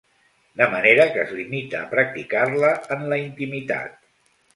De manera que es limita a practicar-la en la intimitat.